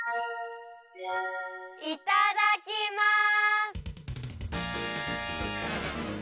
いただきます！